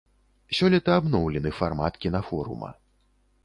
Сёлета абноўлены фармат кінафорума.